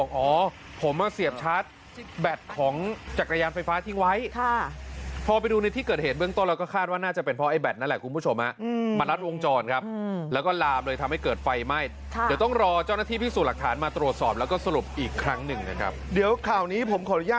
ก็ถามแฟนว่าหนูไม่รู้จักครับ